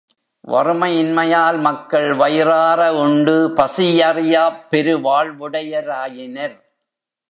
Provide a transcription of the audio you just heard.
வறுமை இன்மையால், மக்கள் வயிறார உண்டு பசியறியாப் பெருவாழ்வுடையராயினர்.